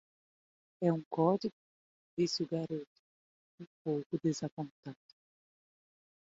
"É um código?" disse o garoto? um pouco desapontado.